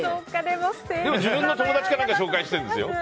でも自分の友達を紹介してるんですよ。